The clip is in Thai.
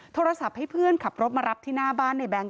โทรศัพท์ให้เพื่อนขับรถมารับที่หน้าบ้านในแง๊